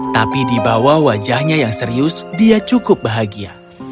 tapi di bawah wajahnya yang serius dia cukup bahagia